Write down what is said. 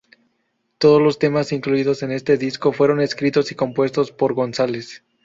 Todos los temas incluidos en este disco fueron escritos y compuestos por González.